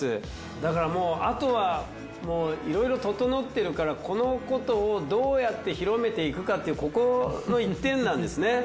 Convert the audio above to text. だからもうあとはいろいろととのってるからこのことをどうやって広めていくかっていうここの１点なんですね。